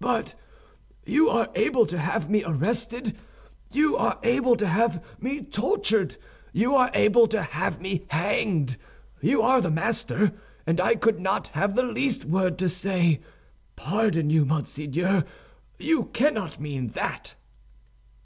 "But you are able to have me arrested, you are able to have me tortured, you are able to have me hanged; you are the master, and I could not have the least word to say. Pardon you, monseigneur! You cannot mean that!"